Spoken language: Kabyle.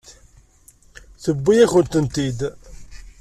Tewwi-yakent-tent-id.